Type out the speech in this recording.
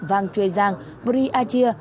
vàng trê giang brì a chia